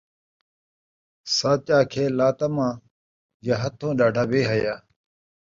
سچ آکھے لا طمع یا ہتھوں ݙاڈھا ، بے حیاء